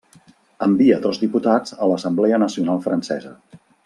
Envia dos diputats a l'Assemblea Nacional Francesa.